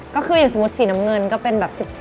ก็คืออย่างสมมุติสีน้ำเงินก็เป็นแบบ๑๒